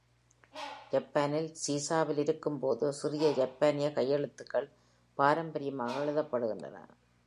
ஜப்பானில், சீசாவில் இருக்கும் போது, சிறிய ஜப்பானிய கையெழுத்துகள் பாரம்பரியமாக எழுதப்படுகின்றன.